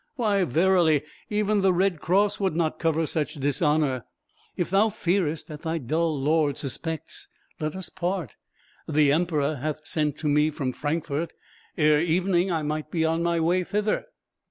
Why, verily, even the red cross would not cover such dishonour. If thou fearest that thy dull lord suspects, let us part. The emperor hath sent to me from Frankfort. Ere evening I might be on my way thither."